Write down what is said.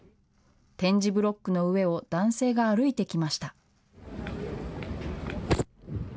点字ブロックの上を男性が歩いてきました。